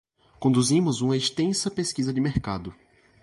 Conduzimos uma extensa pesquisa de mercado.